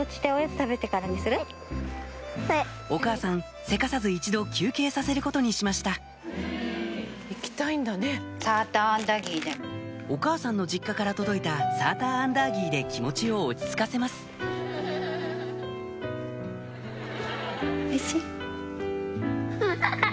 お母さんせかさず一度休憩させることにしましたお母さんの実家から届いたサーターアンダーギーで気持ちを落ち着かせますフハハ！